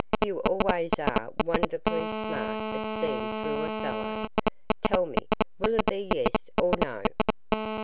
You always are wonderfully smart at seeing through a fellow. Tell me, will it be yes or no?"